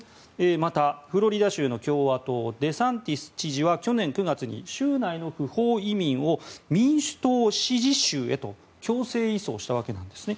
また、フロリダ州の共和党デサンティス知事は去年９月に州内の不法移民を民主党支持州へと強制移送したわけなんですね。